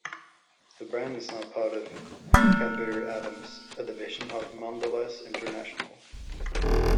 The brand is now part of Cadbury Adams, a division of Mondelez International.